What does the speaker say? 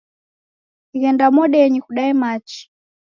Ghenda modenyi kudae machi.